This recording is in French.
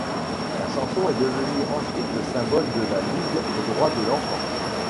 La chanson est devenue ensuite le symbole de la ligue des droits de l'enfant.